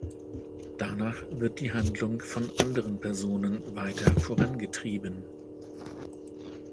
Danach wird die Handlung von anderen Personen weiter vorangetrieben.